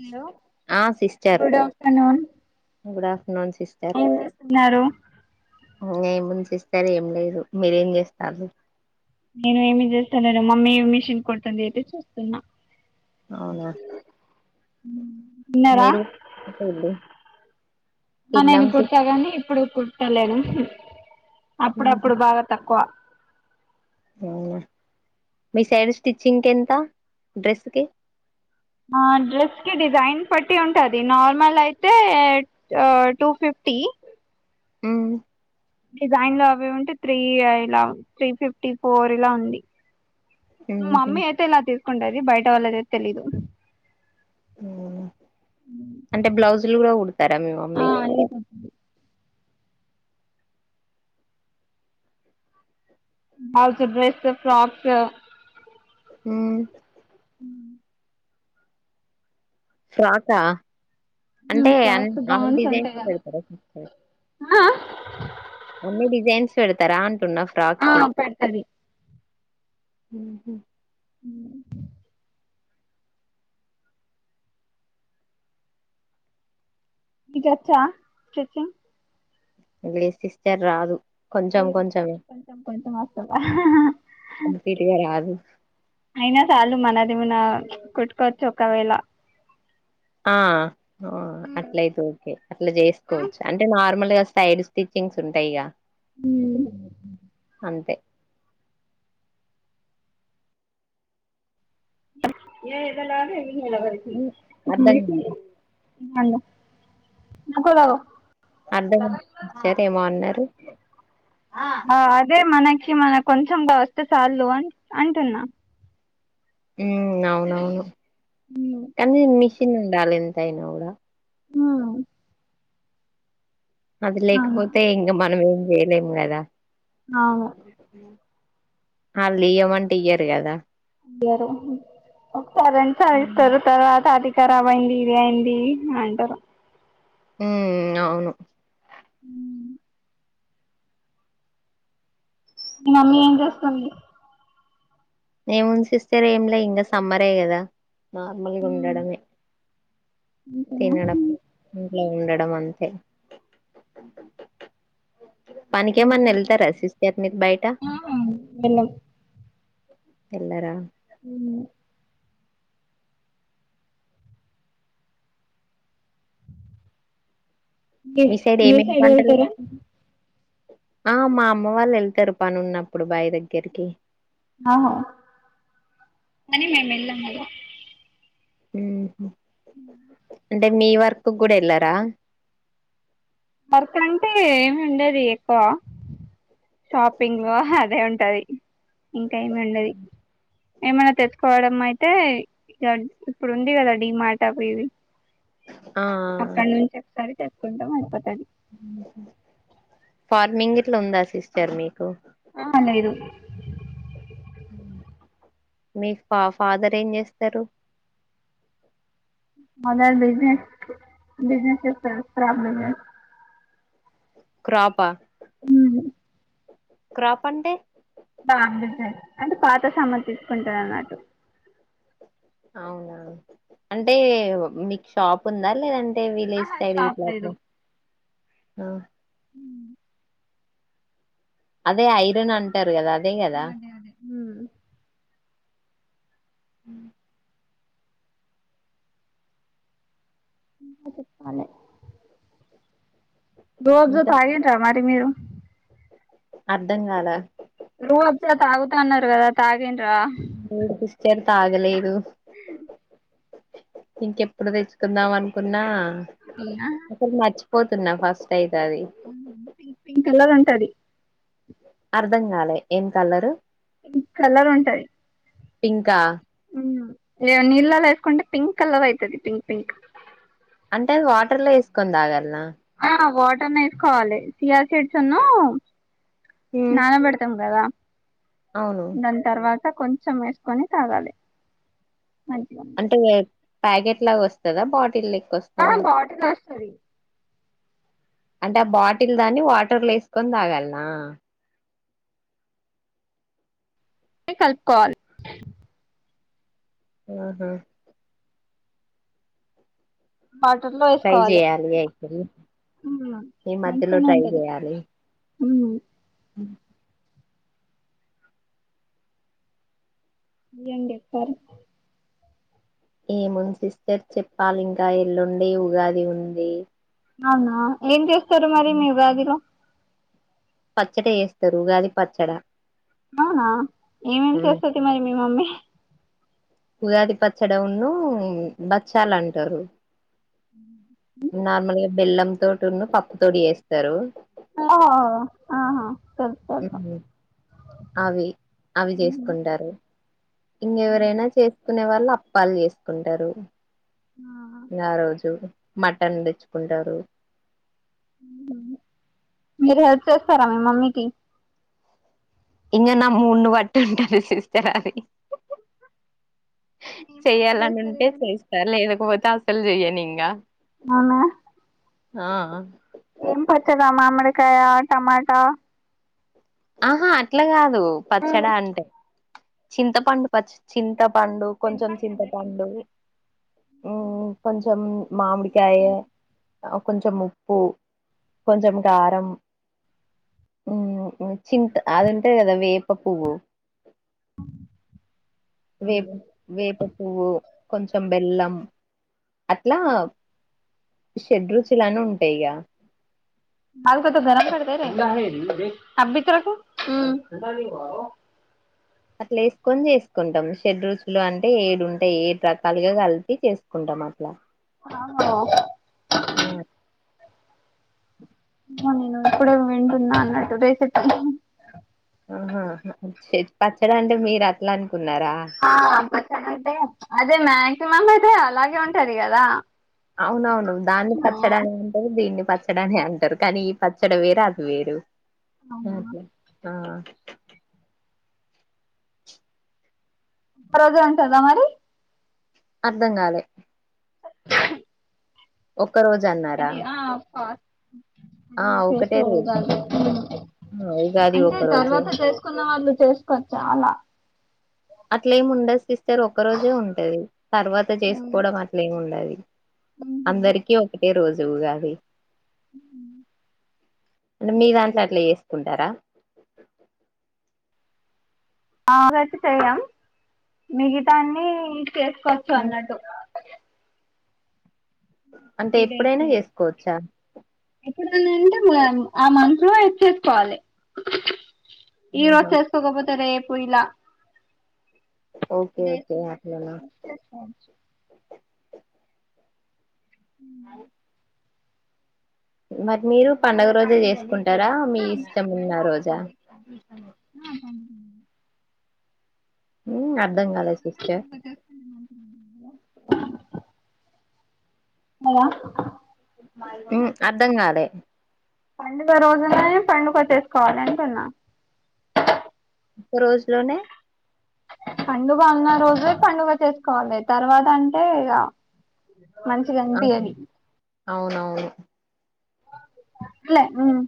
Hello ఆ sister good afternoon good afternoon ఏం చేస్తున్నారు ఏ ముందు ఇస్తారు ఏం లేదు మీరేం చేస్తారు నేను ఏమి చేస్తా నను మమ్మీ ఏ మిషన్ కొడుతుంది అయితే చూస్తున్నా అవునా ఉ మీరు కుట్టండి ఆ నేను కుదుతాకాని ఇప్పుడు కుట్టలను అప్పుడప్పుడు బాగా తక్కువ ఆ మీ సైడ్ స్టిచ్చింగ్కి ఎంత డ్రెస్కి ఆ డ్రెస్కి డిజైన్ బట్టి ఉంటది నార్మల్ అయితే టూ ఫిఫ్టీ హుమ్ డిజైన్ లో అవి ఉంటే త్రీ ఇలా త్రీ ఫిఫ్టీ ఫోర్ ఇలా ఉంది ఉహు మమ్మీ అయితే ఇలా తీసుకంటది బయట వాళ్ళదే తెలీదు అవునా, అంటే బ్లౌజులు గుడా కుడతారా మీ ఆ మమ్మీ అన్ని ఆల్తు బ్రెస్ట్ ఫ్రాకు హ ఫ్రాకా అంటే అన్ ఫ్రాక్స్ ఆల్ గౌన్స్ డిజైన్స్ ఉంటాయి పెడతరా కదా ఓన్లీ డిజైన్స్ పెడతరా అం అంటున్న ఫ్రాక్ ఆ కి పెడతది హుమ్ హు అ నికచ్చా స్టిచింగ్ లేద్ సిస్టర్ రాదు కొంచెం అయ్యో కొంచెం కొంచం కొంచం వస్తదా కంప్లీట్ గా రాదు అయినా చాలు మనది ఏమన్న ప్చ్ కుట్టుకోవచ్చు ఒకవేళ ఆ ఆ అట్లయితే ఓకే అట్ల చేసుకోవచ్చు అంటే నార్మల్గా సైడ్ స్టిచ్చింగ్స్ ఉంటాయిగా హుమ్ అంతే ఏ ఎగ లాలి నెలవరికి అర్ధం మాంగో నాకుడ కావో అడ్డము చేత ఏదో అన్నరు ఆ అదే మన మనకి కొంచెం కావస్తే చాల్దూ అంటున్నా హుమ్ అవునవును ఉమ్ కనీ మిస్ తినుండాలి ఎంతైనా గూడ ఆ అది లేకపోతే ఇంకా మనమేం చేయలేం గదా అవు మళ్లీ ఇయ్యమంటే ఇయ్యారు కదా ఇయర్ ఒకసారి రెండు సా ఇస్తారు తర్వాత అది కరాబైంది ఇది అయింది అంటారు హ అవును హ మీ మమ్మీ ఏం చేస్తుంది ఏముంది సిస్టర్ ఏమి లే ఇంకా సమ్మరే కదా నార్మల్గా ఉండడమే ఇంక నాకు ఇంట్ల ఉండడం అంతే పనికినికి ఏమంది ఎండలట వెళ్తారా శిస్ ఆత్మ బయట ఆ వెళ్ళం ఎల్లారా అవును మీ మీర్ సైడ్ వెళ్తారా ఆ మా అమ్మ వాళ్ళు వెళ్తారు పని ఉన్నప్పుడు బాయి దగ్గరికి ఆ మని మేమ్ ఎలమగ హ అంటే మీ వర్కు కూడా వెళ్ళారా వర్క్ అంటే ఏమి ఉండది ఎక్కువ షాపింగ్ లో అదే ఉంటది ఇంకా ఏమి ఉండది ఏమనా తెచ్చుకోవడం అయితే ఇ ఇప్పుడు ఉంది కదా డిమార్ట్ కి అవి ఇవి ఆ అక్కడ నుంచి ఒకసారి చె కుంటం అయిపోతది ఫార్మింగ్ ఇట్లా ఉందా సిస్టర్ మీకు ఆ లేదు మీ ఫ ఫాదర్ ఏం చేస్తారు ఫాదర్ బిజినెస్ బిజినెస్ చేస్తాడు క్రాపా హ క్రాప్ అంటే బా అంటే పాతమ్మతి తీసుకుంటారు అన్నటు అవునా అంటే మీకు షాప్ ఉందా లేదంటే విలేజ్ ఆహా రైలింగ్ షాప్ క్లాత్ లేదు అ అదే ఐరన్ అంటారు కదా అదే ఆ కదా అదే అదే హమ్ ఇంక చెప్పాలి ఇంకా జొతోతగేంటరా మరి మీరు అర్థం గాలా రూ అబ్సా తాగుత అన్నారు కదా తాగి సిస్టర్ ఆగలేదు ఇంకెప్పుడు తెచ్చుకుందాం అనుకున్నా ఒక మా పోతున్నా ఫస్ట్ అయితే అది ప పింక్ కలర్ అంట సది అర్ధం కాలే ఏం కలరు కలర్ ఉంటది పింకా నీళ్లలో వేసుకుంటే పింక్ కలర్ అవుతది పింక్ పింక్ అంటే అ వాటర్ లో వేసుకొని తాగలనా ఆ వాటర్ న వేసుకోవాలి సియా సీడ్స్ నాల పడుతం కాదా అవును దాన్ తర్వాత కొంచెం వేసుకొని తాగాలి మంచిగ అంటే ఉంటాయి ప్యాకెట్ లాగా వస్తుందా బాటిల్కి కోస్తాద స్టది అంటే ఆ బాటిల్ దాన్ని వాటర్లు వేసుకొని తాగాలనా కలుపు కోవాలి ఆహా వాటర్ లో ట్రై వేసుకోవాలి చేయాలి అయితే ఈ మధ్యలో ట్రై చేయాలి హమ్ అ ఎం చేస్తారు ఏముంది సిస్టర్ చెప్పాలి ఇంకా ఎల్లుండే ఉగాది ఉంది అవునా ఏం చేస్తారు మరి మీ ఉగాదిలో పచ్చడి చెస్తారు ఉగాది పచ్చడ అవునా ఏమేం ఉమ్, చేస్తది. మరి మీ మమ్మీ ఉగాది పచ్చడడి వున్నబచ్చాల అంటారు ఉ నార్మల్ గా బెల్లం తోటివున్నుపప్పు తోటి చెస్తారు ఓ ఆహా తెలుసు తెలుసు అవి అవి చేసుకుంటారు ఇంగేవరైనా చేసుకునే వాళ్ళం అప్పాలు చేసుకుంటారు ఆ ఆ రోజు మటన్ తెచ్చుకుంటారు మీరు హెల్ప్ చేస్తారా మీ మమ్మీకి ఇంగ నా మూడ్ను బట్టి ఉంటాది సిస్టర్ అది ఏం చెయ్యాలని పచ్చడేస్తది ఉంటే మరి చేస్తా లేకపో టాస్కులు చేయనింగ అవున ఆ అ ఏం పచ్చడ మామిడికాయ, టమాటా ఆహా అట్లా కాద్ దు పచ్చడా అంటే చింత పండు పచ్చి చింత పండు కొంచెం చింతపండు. ఉమ్ కొంచెం మామిడికాయే కొంచెం ఉప్పు, కొంచెం కారం, ఉమ్ ఉ చింత అది ఉంటది కదా వేప పువ్వు వేప వేప పువ్వు, కొంచెం బెల్లం. అట్లా షడ్రుచులను ఉంటాయిగా [unintelligible] అట్లా ఎస్కొని చేసుకుంటాం. షెడ్రుస్లు అంటే ఏడు ఉంటాయి. ఏడు రకాలుగా కలిపి చేసుకుంటాం అట్లా ఆహం ఆ నేను ఇప్పుడే వింటున్నా అన్నట్టు రేసట్ ఆహా పచ్చడి అంటే మీరు అట్లాంటి అ అంటే అదే మ్యా మామ్ అయితే అలాగే ఉంటది కదా అవునవును దాన్ని పచ్చడా అంటా దీన్ని పచ్చడి అని అంటారు, కానీ ఈ పచ్చడి వేరే అది వేరు అవునా ఓకే ఆ రోజులు ఉంటుందా మరి అర్ధం కాలే ఓహ్ క్క రోజు అన్నారా అది ఆ ఫాస్ట్ [inaudible] ఆ ఒకటే రోజు ఉంటుంది. ఆ ఉగాది అంటే ఒక రోజు తర్వాత చేసుకున్న వాళ్ళు చేసుకోవచ్చు అలా అట్లేమి ఉండదు సిస్టర్ ఒక్క రోజే ఉంటది అందరికీ ఒకటే రోజు ఉగాది అంటే మీ దాంట్లో అట్లా చేసుకుంటారా ఆమ్లెట్ చెయ్యం మిగతాన్ని చేస్. కొచ్చు అన్నట్టు. అంటే త్రీ ఎప్పుడైనా చేసుకోవచ్చా. ఎప్పుడంటే మన్, ఆ మంత్ లో ఇచ్చేసుకోవాలి. ఈరోజ్ ఆహా చేసుకోకపోతే రేప్. కుయిలా. ఓకే డేస్ ఓకే ను బట్టి అట్లనా ఫినిష్ చేస్తాను. అవ్. మరి మీరు పండుగ రోజే చేసుకున్. టారా మీ ఇష్టం ఉన్న రోజా. ఉమ్. ఉమ్ అర్ధంగాలే సిస్టర్. పండుగ చేసుకుంటే మంచిది [unintelligible] ఉమ్ అర్థం కాలే. పండుగ రోజునే పండుగ చేసుకోవాలి అంటున్నా. ఒక్క రోజులోనే. పండుగ ఉన్న రోజే పండుగ చేసుకోవాలే, తర్వాత అంటే ఇగా. మంచిగనిపియ్యది. ఉ లే ఉమ్.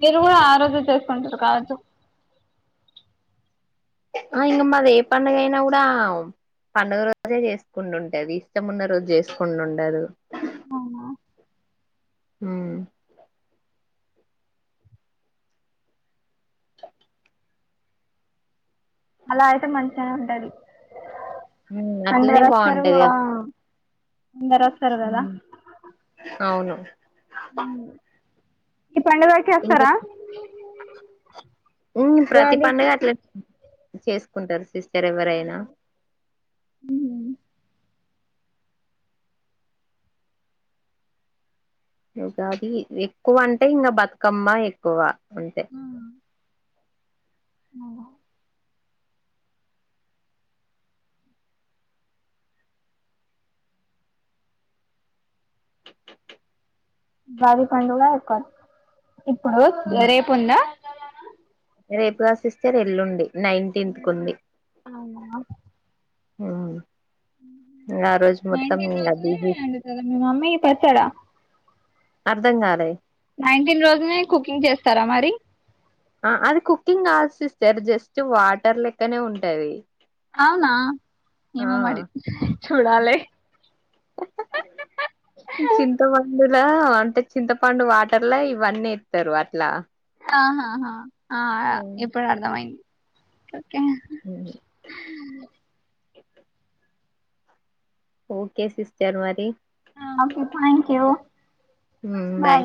మీరు కూడా ఆరోజు చేసుకుంటురు కావచ్చు. ఆ ఇంగా మాది ఏ పండుగ అయినా కూడా ఆ పండుగ రోజే చేసుకుంటుడు ఉంటది. ఇష్టంఉన్న రోజు చేసుకుండు ఉండదు. అవునా. హుమ్మ్. అలా అయితే మంచిగానే ఉంటది. ఉమ్, అట్లనే అందరోస్తారు బాగుంటది ఆ. కదా అందరోస్తారు కదా. స ఉమ్. ఈ పండుగా అయితే ఇంక వొస్తారా. ఉమ్ ప్రతి ఉగాదికి పండుగ అట్లాన్. చేసుకుంటారు సిస్. వేరెవ్వరైన. గాది ఎక్కువ అంటే, ఇంగా బతుకమ్మ ఎక్కువ. అంతే. భారి పండుగ [unintelligible] ఇప్పుడు రేపు ఉంద రేపు కాదు సిస్టర్ ఎల్లుండి నైంటీత్ కుంది అవునా అ నైన్టీన్ ఇంకా రోజునే బిజీ అందుతదా మీ మమ్మీ పచ్చడ అర్దం కాలే నైన్టీన్ రోజునే కుకింగ్ చేస్తారా మరి ఆ అది కుకింగ్ కాదు సిస్టర్ జస్ట్ వాటర్ లెక్కనే ఉంటది అవునా ఆ ఏమో మరి చూడాలి పండులో అంటే చింతపండు వాటర్లా ఇవన్నీ ఇత్తరు అట్లా ఆహాహా ఆ ఇప్పుడు అర్థమైంది ఓకే అ ఓకే సిస్టర్ మరి ఓకే థ్యాంక్ యు ఊ బాయ్